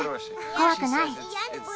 怖くない。